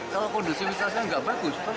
kalau kondusivitasnya nggak bagus itu mau apa